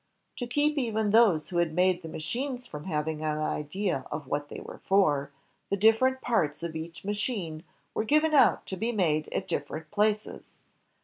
To keep even those who had made the machines from having an idea of what they were for, the different parts of each machine were given out to be made at different places.